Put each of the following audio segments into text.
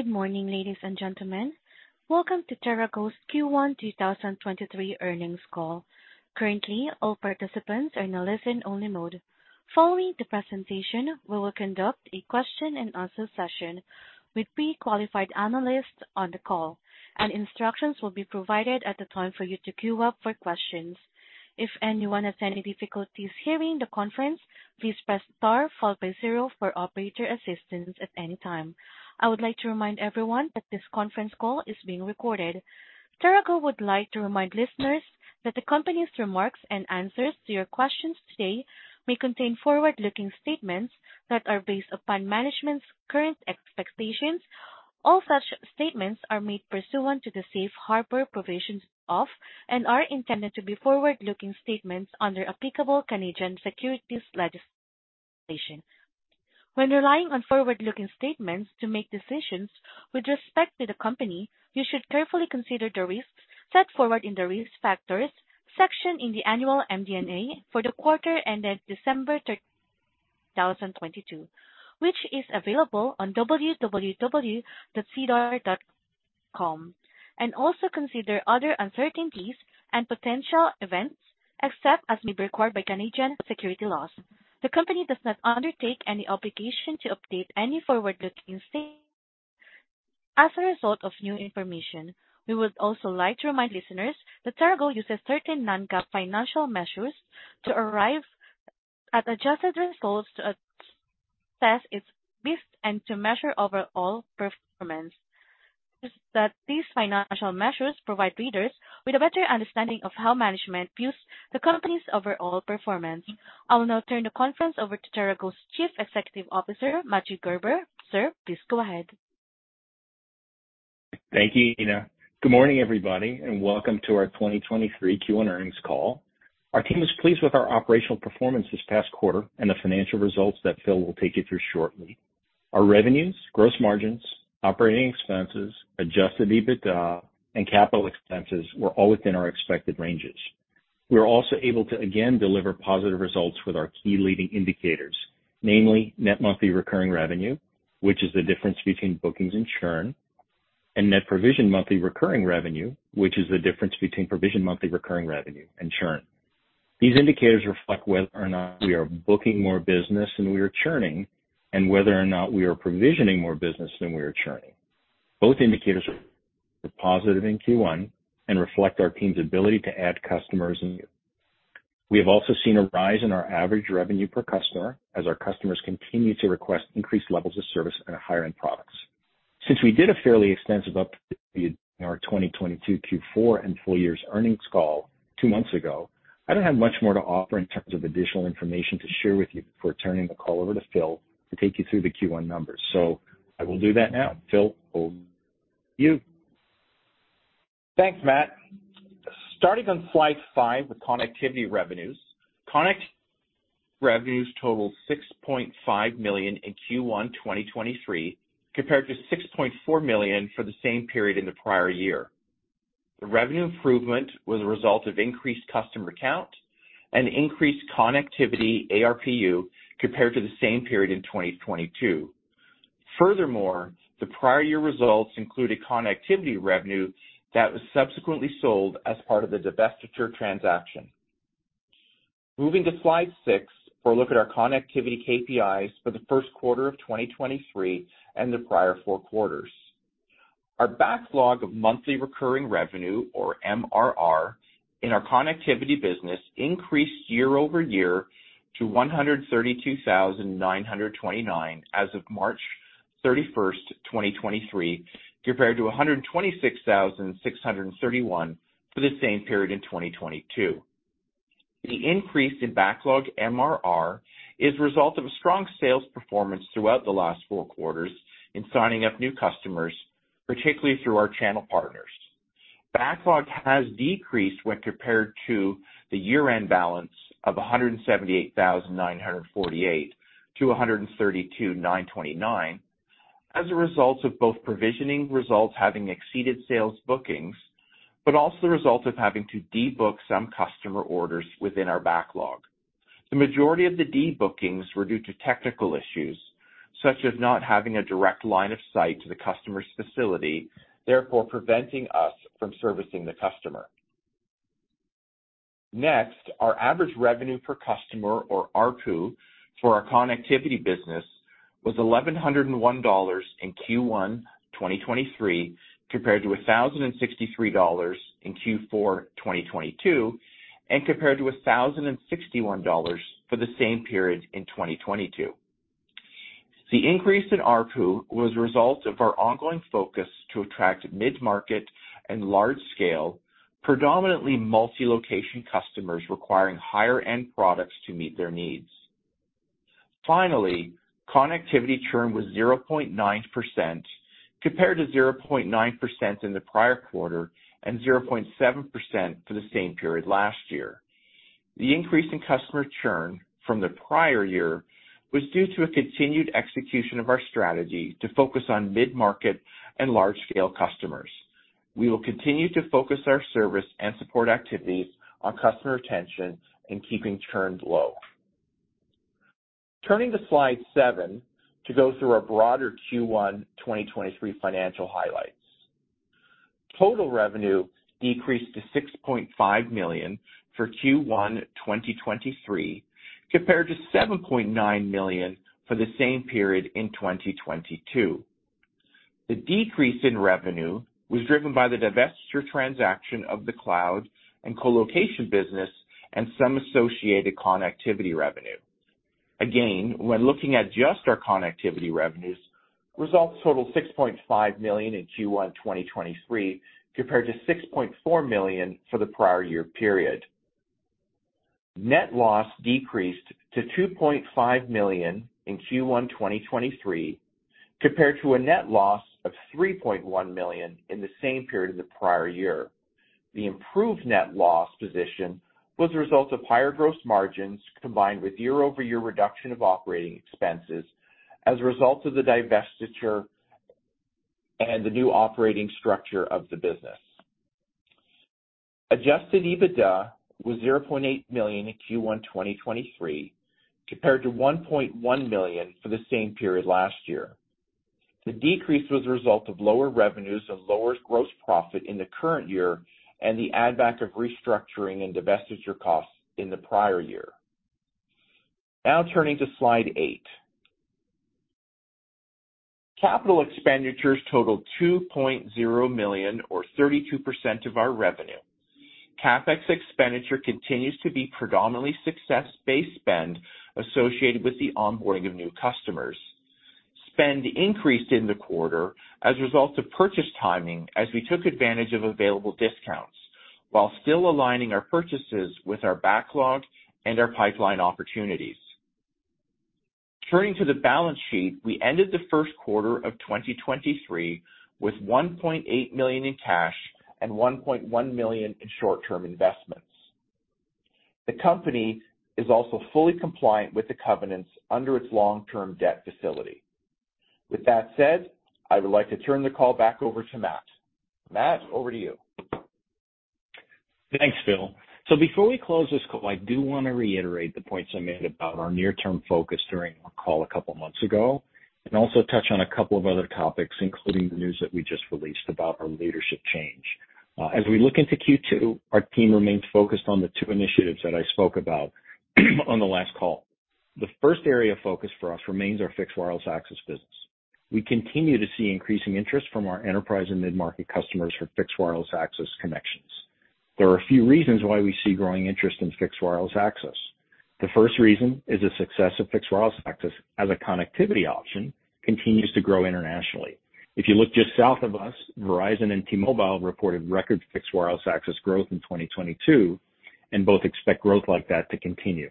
Good morning, ladies and gentlemen. Welcome to TeraGo's Q1 2023 Earnings Call. Currently, all participants are in a listen-only mode. Following the presentation, we will conduct a question and answer session with pre-qualified analysts on the call. Instructions will be provided at the time for you to queue up for questions. If anyone has any difficulties hearing the conference, please press star followed by zero for operator assistance at any time. I would like to remind everyone that this conference call is being recorded. TeraGo would like to remind listeners that the company's remarks and answers to your questions today may contain forward-looking statements that are based upon management's current expectations. All such statements are made pursuant to the safe harbor provisions of and are intended to be forward-looking statements under applicable Canadian securities legislation. When relying on forward-looking statements to make decisions with respect to the company, you should carefully consider the risks set forward in the Risk Factors section in the Annual MD&A for the quarter ended December 31st 2022, which is available on www.sedar.com and also consider other uncertainties and potential events, except as may be required by Canadian security laws. The company does not undertake any obligation to update any forward-looking statements. As a result of new information, we would also like to remind listeners that TeraGo uses certain non-GAAP financial measures to arrive at adjusted results to assess its risks and to measure overall performance. These financial measures provide readers with a better understanding of how management views the company's overall performance. I will now turn the conference over to TeraGo's Chief Executive Officer, Matthew Gerber. Sir, please go ahead. Thank you, Ina. Good morning, everybody, and welcome to our 2023 Q1 Earnings Call. Our team is pleased with our operational performance this past quarter and the financial results that Phil will take you through shortly. Our revenues, gross margins, operating expenses, Adjusted EBITDA, and capital expenses were all within our expected ranges. We were also able to again deliver positive results with our key leading indicators, namely Net Monthly Recurring Revenue, which is the difference between bookings and churn, and net provisioned monthly recurring revenue, which is the difference between provision monthly recurring revenue and churn. These indicators reflect whether or not we are booking more business than we are churning, and whether or not we are provisioning more business than we are churning. Both indicators are positive in Q1 and reflect our team's ability to add customers. We have also seen a rise in our average revenue per customer as our customers continue to request increased levels of service and higher-end products. Since we did a fairly extensive update in our 2022 Q4 and full year's earnings call two months ago, I don't have much more to offer in terms of additional information to share with you before turning the call over to Phil to take you through the Q1 numbers. I will do that now. Phil, over to you. Thanks, Matt. Starting on slide five with connectivity revenues. Connectivity revenues totaled 6.5 million in Q1 2023, compared to 6.4 million for the same period in the prior year. The revenue improvement was a result of increased customer count and increased connectivity ARPU compared to the same period in 2022. The prior year results included connectivity revenue that was subsequently sold as part of the divestiture transaction. Moving to slide six for a look at our connectivity KPIs for the first quarter of 2023 and the prior four quarters. Our backlog of Monthly Recurring Revenue, or MRR, in our connectivity business increased year-over-year to 132,929 as of March 31st 2023, compared to 126,631 for the same period in 2022. The increase in backlog MRR is a result of a strong sales performance throughout the last four quarters in signing up new customers, particularly through our channel partners. Backlog has decreased when compared to the year-end balance of 178,948 to 132,929 as a result of both provisioning results having exceeded sales bookings, also the result of having to debook some customer orders within our backlog. The majority of the debookings were due to technical issues, such as not having a direct line of sight to the customer's facility, therefore preventing us from servicing the customer. Next, our Average Revenue per User or ARPU for our connectivity business was 1,101 dollars in Q1 2023, compared to 1,063 dollars in Q4 2022, and compared to 1,061 dollars for the same period in 2022. The increase in ARPU was a result of our ongoing focus to attract mid-market and large-scale, predominantly multi-location customers requiring higher-end products to meet their needs. Finally, connectivity churn was 0.9% compared to 0.9% in the prior quarter and 0.7% for the same period last year. The increase in customer churn from the prior year was due to a continued execution of our strategy to focus on mid-market and large-scale customers. We will continue to focus our service and support activities on customer retention and keeping churn low. Turning to slide seven to go through our broader Q1 2023 financial highlights. Total revenue decreased to 6.5 million for Q1 2023, compared to 7.9 million for the same period in 2022. The decrease in revenue was driven by the divestiture transaction of the cloud and colocation business and some associated connectivity revenue. Again, when looking at just our connectivity revenues, results totaled 6.5 million in Q1 2023, compared to 6.4 million for the prior year period. Net loss decreased to 2.5 million in Q1 2023, compared to a net loss of 3.1 million in the same period of the prior year. The improved net loss position was a result of higher gross margins combined with year-over-year reduction of Operating Expenses as a result of the divestiture and the new operating structure of the business. Adjusted EBITDA was 0.8 million in Q1 2023, compared to 1.1 million for the same period last year. The decrease was a result of lower revenues and lower gross profit in the current year, and the add back of restructuring and divestiture costs in the prior year. Turning to slide eight. Capital Expenditures totaled 2.0 million or 32% of our revenue. CapEx expenditure continues to be predominantly success-based spend associated with the onboarding of new customers. Spend increased in the quarter as a result of purchase timing as we took advantage of available discounts while still aligning our purchases with our backlog and our pipeline opportunities. Turning to the balance sheet, we ended the first quarter of 2023 with 1.8 million in cash and 1.1 million in short-term investments. The company is also fully compliant with the covenants under its long-term debt facility. With that said, I would like to turn the call back over to Matt. Matt, over to you. Thanks, Phil. Before we close this call, I do want to reiterate the points I made about our near-term focus during our call a couple months ago, and also touch on a couple of other topics, including the news that we just released about our leadership change. As we look into Q2, our team remains focused on the two initiatives that I spoke about on the last call. The first area of focus for us remains our Fixed Wireless Access business. We continue to see increasing interest from our enterprise and mid-market customers for Fixed Wireless Access connections. There are a few reasons why we see growing interest in Fixed Wireless Access. The first reason is the success of Fixed Wireless Access as a connectivity option continues to grow internationally. If you look just south of us, Verizon and T-Mobile reported record Fixed Wireless Access growth in 2022, both expect growth like that to continue.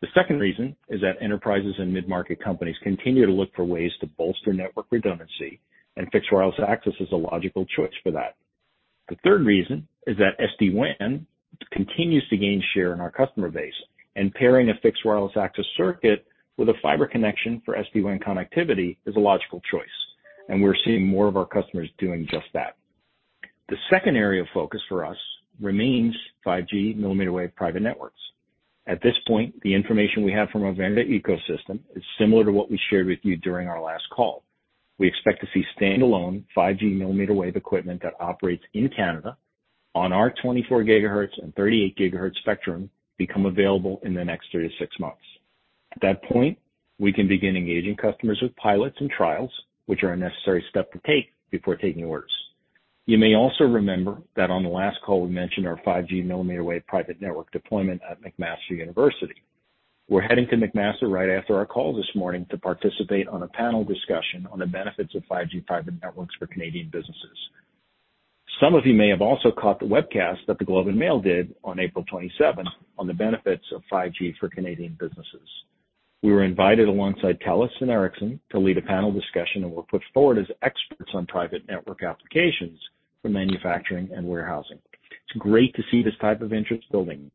The second reason is that enterprises and mid-market companies continue to look for ways to bolster network redundancy, Fixed Wireless Access is a logical choice for that. The third reason is that SD-WAN continues to gain share in our customer base, pairing a Fixed Wireless Access circuit with a fiber connection for SD-WAN connectivity is a logical choice, we're seeing more of our customers doing just that. The second area of focus for us remains 5G mmWave Private Networks. At this point, the information we have from our vendor ecosystem is similar to what we shared with you during our last call. We expect to see standalone 5G mmWave equipment that operates in Canada on our 24 GHz and 38 GHz spectrum become available in the next three to six months. At that point, we can begin engaging customers with pilots and trials, which are a necessary step to take before taking orders. You may also remember that on the last call, we mentioned our 5G mmWave private network deployment at McMaster University. We're heading to McMaster right after our call this morning to participate on a panel discussion on the benefits of 5G Private Networks for Canadian businesses. Some of you may have also caught the webcast that The Globe and Mail did on April 27th on the benefits of 5G for Canadian businesses. We were invited alongside Telus and Ericsson to lead a panel discussion, and were put forward as experts on private network applications for manufacturing and warehousing. It's great to see this type of interest building.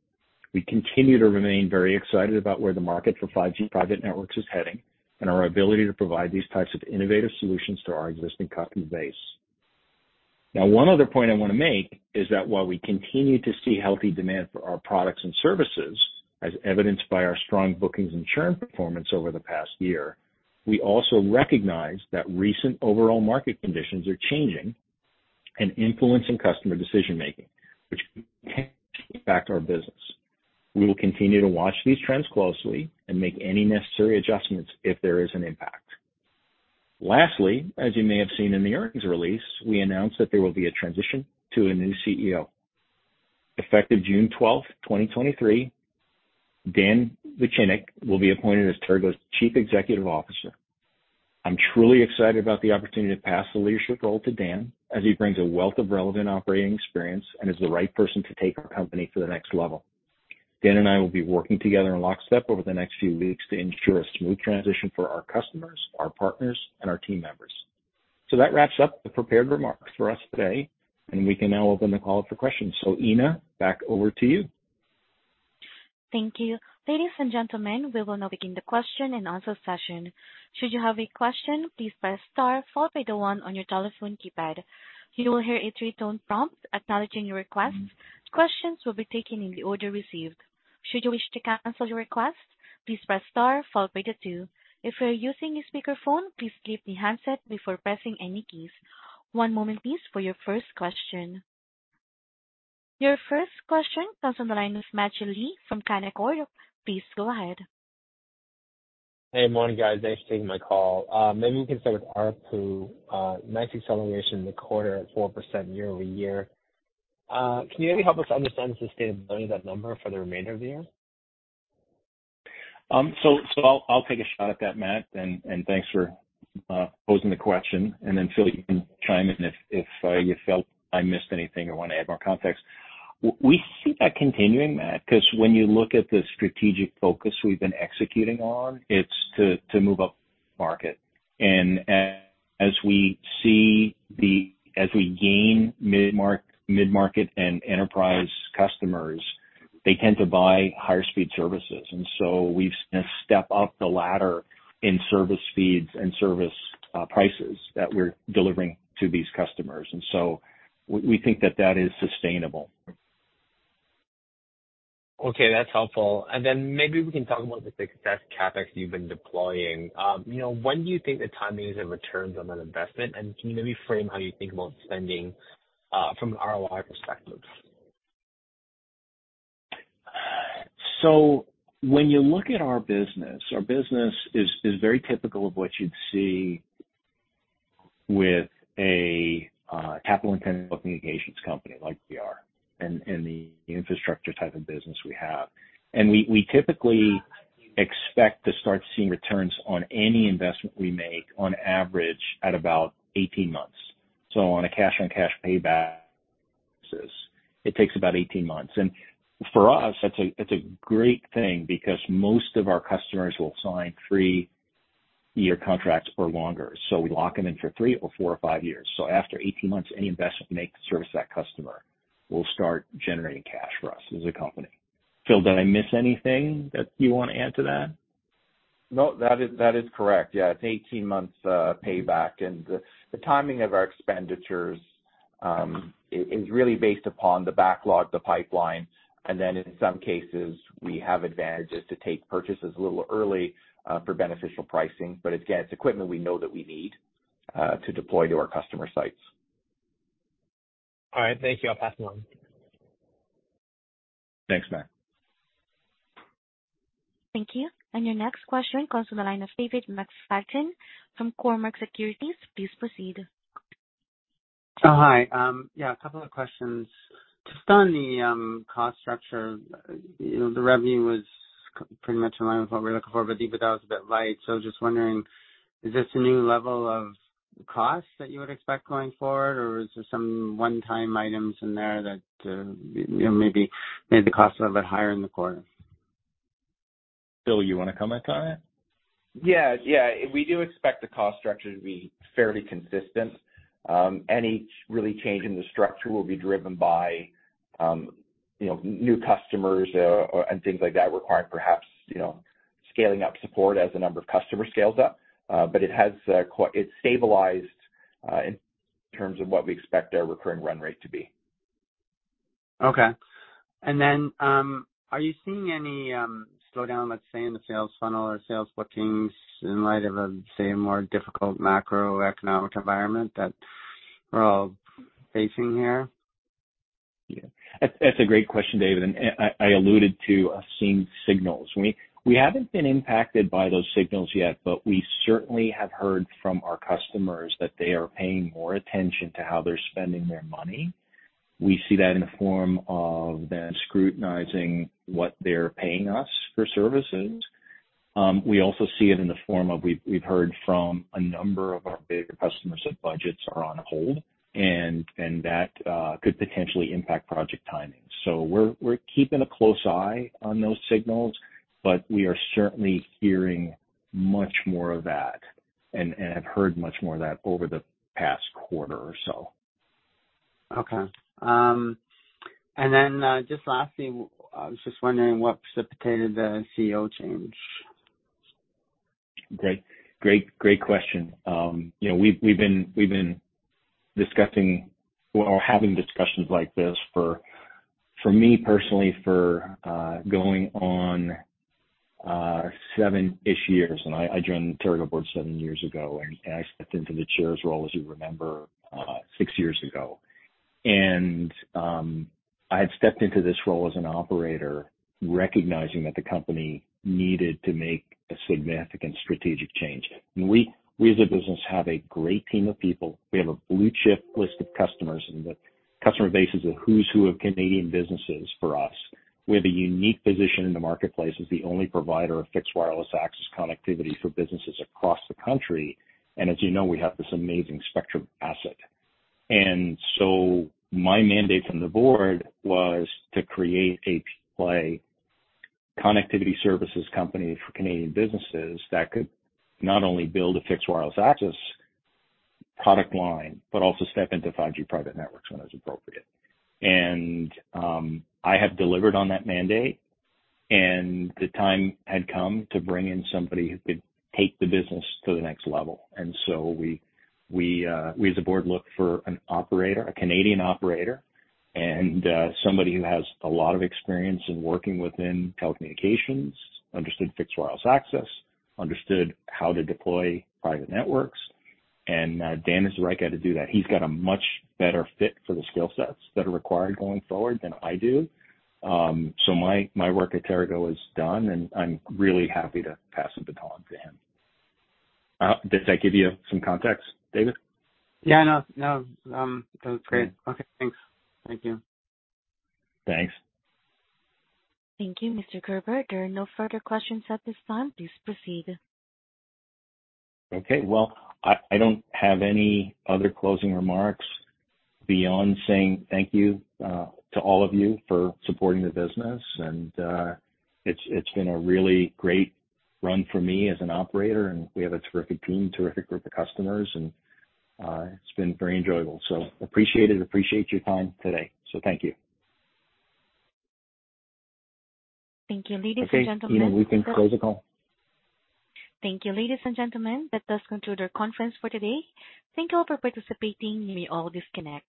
We continue to remain very excited about where the market for 5G Private Networks is heading and our ability to provide these types of innovative solutions to our existing customer base. Now, one other point I want to make is that while we continue to see healthy demand for our products and services, as evidenced by our strong bookings and churn performance over the past year, we also recognize that recent overall market conditions are changing and influencing customer decision-making, which can impact our business. We will continue to watch these trends closely and make any necessary adjustments if there is an impact. Lastly, as you may have seen in the earnings release, we announced that there will be a transition to a new CEO. Effective June 12, 2023, Dan Vucinic will be appointed as TeraGo's Chief Executive Officer. I'm truly excited about the opportunity to pass the leadership role to Dan as he brings a wealth of relevant operating experience and is the right person to take our company to the next level. Dan and I will be working together in lockstep over the next few weeks to ensure a smooth transition for our customers, our partners, and our team members. That wraps up the prepared remarks for us today, and we can now open the call up for questions. Ina, back over to you. Thank you. Ladies and gentlemen, we will now begin the question and answer session. Should you have a question, please press star followed by the one on your telephone keypad. You will hear a three-tone prompt acknowledging your request. Questions will be taken in the order received. Should you wish to cancel your request, please press star followed by the two. If you are using a speakerphone, please keep the handset before pressing any keys. One moment please for your first question. Your first question comes on the line with Matthew Lee from Canaccord. Please go ahead. Hey, morning, guys. Thanks for taking my call. Maybe we can start with ARPU. Nice acceleration in the quarter at 4% year-over-year. Can you maybe help us understand the sustainability of that number for the remainder of the year? So I'll take a shot at that, Matt, and thanks for posing the question. Phil, you can chime in if you felt I missed anything or wanna add more context. We see that continuing, Matt, 'cause when you look at the strategic focus we've been executing on, it's to move upmarket. As we gain midmarket and enterprise customers, they tend to buy higher speed services. We've seen a step up the ladder in service speeds and service prices that we're delivering to these customers. We think that that is sustainable. Okay, that's helpful. Maybe we can talk about the success CapEx you've been deploying. You know, when do you think the timing is in returns on that investment, and can you maybe frame how you think about spending from an ROI perspective? When you look at our business, our business is very typical of what you'd see with a capital-intensive communications company like we are and the infrastructure type of business we have. We typically expect to start seeing returns on any investment we make on average at about 18 months. On a cash-on-cash payback basis, it takes about 18 months. For us, that's a great thing because most of our customers will sign three-year contracts or longer. We lock them in for three or four or five years. After 18 months, any investment we make to service that customer will start generating cash for us as a company. Phil, did I miss anything that you wanna add to that? No, that is correct. Yeah. It's 18 months payback. The timing of our expenditures is really based upon the backlog, the pipeline, and then in some cases, we have advantages to take purchases a little early for beneficial pricing. Again, it's equipment we know that we need to deploy to our customer sites. All right. Thank you. I'll pass it on. Thanks, Matt. Thank you. Your next question comes from the line of David McFadgen from Cormark Securities. Please proceed. Oh, hi. Yeah, a couple of questions. Just on the cost structure, you know, the revenue was pretty much in line with what we're looking for, but EBITDA was a bit light. Just wondering, is this a new level of cost that you would expect going forward, or is there some one-time items in there that, you know, maybe made the cost a little bit higher in the quarter? Phil, you wanna comment on it? Yeah. Yeah. We do expect the cost structure to be fairly consistent. Any really change in the structure will be driven by, you know, new customers, and things like that requiring perhaps, you know, scaling up support as the number of customers scales up. It has, it's stabilized, in terms of what we expect our recurring run rate to be. Okay. Are you seeing any slowdown, let's say, in the sales funnel or sales bookings in light of a, say, more difficult macroeconomic environment that we're all facing here? That's a great question, David, and I alluded to seeing signals. We haven't been impacted by those signals yet, but we certainly have heard from our customers that they are paying more attention to how they're spending their money. We see that in the form of them scrutinizing what they're paying us for services. We also see it in the form of we've heard from a number of our bigger customers that budgets are on hold, and that could potentially impact project timing. We're keeping a close eye on those signals, but we are certainly hearing much more of that and have heard much more of that over the past quarter or so. Okay. Just lastly, I was just wondering what precipitated the CEO change? Great. Great, great question. you know, we've been discussing or having discussions like this for me personally, for going on seven-ish years, I joined the TeraGo Board seven years ago, I stepped into the Chair's role, as you remember, six years ago. I had stepped into this role as an operator recognizing that the company needed to make a significant strategic change. We as a business have a great team of people. We have a blue chip list of customers, the customer base is a who's who of Canadian businesses for us. We have a unique position in the marketplace as the only provider of Fixed Wireless Access connectivity for businesses across the country. As you know, we have this amazing spectrum asset. My mandate from the Board was to create a play connectivity services company for Canadian businesses that could not only build a Fixed Wireless Access product line, but also step into 5G Private Networks when it's appropriate. I have delivered on that mandate, and the time had come to bring in somebody who could take the business to the next level. We as a board looked for an operator, a Canadian operator, and somebody who has a lot of experience in working within telecommunications, understood Fixed Wireless Access, understood how to deploy private networks, and Dan is the right guy to do that. He's got a much better fit for the skill sets that are required going forward than I do. My, my work at TeraGo is done, I'm really happy to pass the baton to him. Does that give you some context, David? Yeah, no. That was great. Okay, thanks. Thank you. Thanks. Thank you, Mr. Gerber. There are no further questions at this time. Please proceed. Okay. Well, I don't have any other closing remarks beyond saying thank you to all of you for supporting the business. It's been a really great run for me as an operator, and we have a terrific team, terrific group of customers, and it's been very enjoyable. Appreciate it. Appreciate your time today. Thank you. Thank you. Ladies and gentlemen- Okay. Ina, we can close the call. Thank you. Ladies and gentlemen, that does conclude our conference for today. Thank you all for participating. You may all disconnect.